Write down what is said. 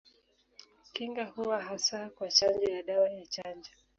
Kinga huwa hasa kwa chanjo ya dawa ya chanjo.